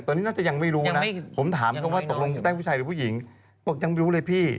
ตอนนี้น่าจะยังไม่รู้นะผมถามเขาว่าตกลงคุณแป้งผู้ชายหรือผู้หญิงบอกยังไม่รู้เลยพี่